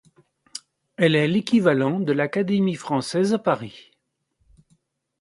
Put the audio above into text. Elle est l'équivalent de l'Académie française à Paris.